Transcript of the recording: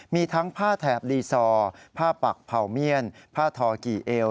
มีทั้งผ้าแถบลีซอร์ผ้าปักเผ่าเมียนผ้าทอกี่เอว